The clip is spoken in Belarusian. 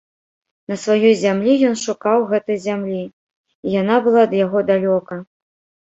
На сваёй зямлі ён шукаў гэтай зямлі, і яна была ад яго далёка.